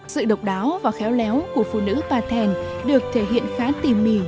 sự độc đáo và khéo léo của phụ nữ pa thèn được thể hiện khá tỉ mỉ